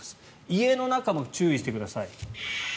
家の中も注意してください。